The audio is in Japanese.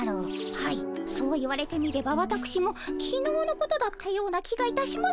はいそう言われてみればわたくしもきのうのことだったような気がいたします。